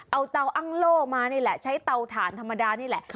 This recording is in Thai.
เอาเตาอ้างโล่มานี่แหละใช้เตาถ่านธรรมดานี่แหละ